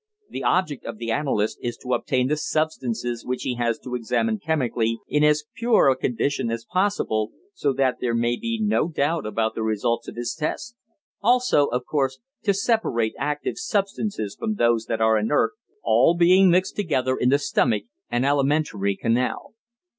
The object of the analyst is to obtain the substances which he has to examine chemically in as pure a condition as possible, so that there may be no doubt about the results of his tests; also, of course, to separate active substances from those that are inert, all being mixed together in the stomach and alimentary canal.